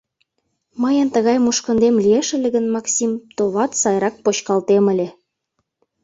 Мыйын тыгай мушкындем лиеш ыле гын, Максим, товат, сайрак почкалтем ыле...